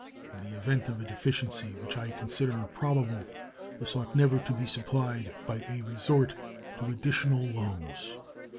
In the event of a deficiency, which I consider probable, this ought never to be supplied by a resort to additional loans.